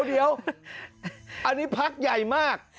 เดี๋ยวอันนี้พักใหญ่มาก